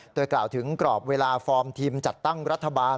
โดยกล่าวถึงกรอบเวลาฟอร์มทีมจัดตั้งรัฐบาล